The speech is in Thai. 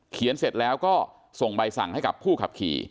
เสร็จแล้วก็ส่งใบสั่งให้กับผู้ขับขี่